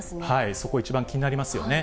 そこ一番気になりますよね。